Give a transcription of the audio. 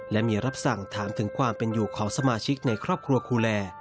และมีรับสั่งถามถึงความเป็นอยู่ของสมาชิกในครอบครัวครูแล